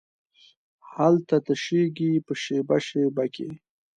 هلته تشېږې په شیبه، شیبه کې